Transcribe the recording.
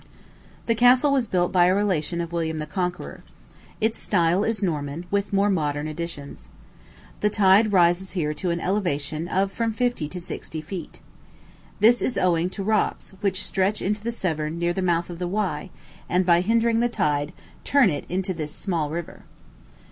The castle was built by a relation of William the Conqueror. Its style is Norman, with more modern additions. The tide rises here to an elevation of from fifty to sixty feet. This is owing to rooks which stretch into the Severn near the mouth of the Wye, and, by hindering the tide, turn it into this small river.